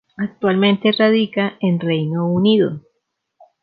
Actualmente radica en Reino Unido.